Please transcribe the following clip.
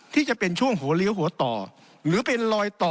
ที่จะเป็นช่วงหัวเลี้ยวหัวต่อหรือเป็นลอยต่อ